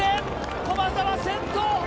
駒澤、先頭！